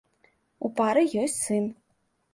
У пары ёсць сын.